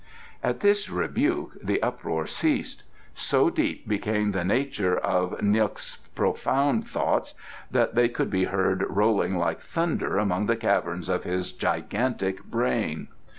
At this rebuke the uproar ceased. So deep became the nature of N'guk's profound thoughts that they could be heard rolling like thunder among the caverns of his gigantic brain.